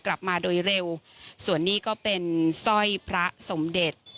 กลับมาโดยเร็วส่วนนี้ก็เป็นสร้อยพระสมเด็จ